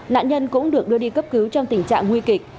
nạn nhân cũng được đưa đi cấp cứu trong tình trạng nguy kịch